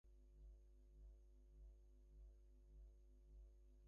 His views were not in fact Zionist, but the agricultural work appealed.